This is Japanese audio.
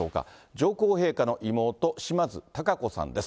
上皇陛下の妹、島津貴子さんです。